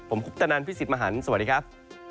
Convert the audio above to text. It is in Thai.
ผมคุปตะนันพี่สิทธิ์มหันฯสวัสดีครับ